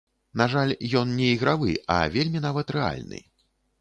На жаль, ён не ігравы, а вельмі нават рэальны.